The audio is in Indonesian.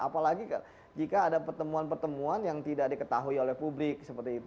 apalagi jika ada pertemuan pertemuan yang tidak diketahui oleh publik seperti itu